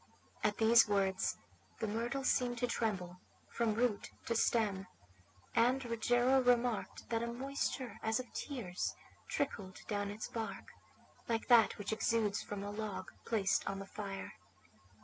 At these words the myrtle seemed to tremble from root to stem, and Rogero remarked that a moisture as of tears trickled down its bark, like that which exudes from a log placed on the fire.